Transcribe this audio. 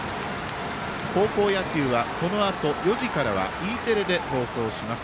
高校野球はこのあと４時からはＥテレで放送します。